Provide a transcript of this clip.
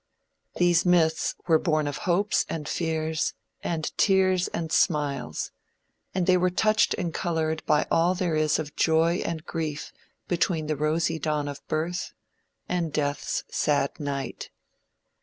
These myths were born of hopes, and fears, and tears, and smiles, and they were touched and colored by all there is of joy and grief between the rosy dawn of birth, and death's sad night.